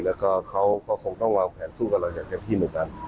แล้วก็เขาก็คงต้องวางแผนสู้กับเราอย่างเต็มที่เหมือนกัน